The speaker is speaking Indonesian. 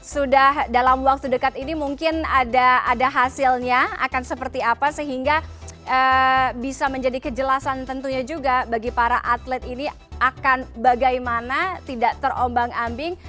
sudah dalam waktu dekat ini mungkin ada hasilnya akan seperti apa sehingga bisa menjadi kejelasan tentunya juga bagi para atlet ini akan bagaimana tidak terombang ambing